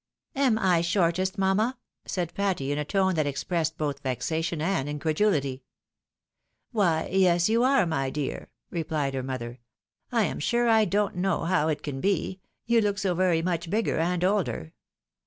" Am I shortest, mamma? " said Patty, in a tone that ex pressed both vexation and increduhty. " ^yhj, yes, you are, my dear," replied her mother ; "I am sure I don't know how it can be — ^you look so very much bigger and older."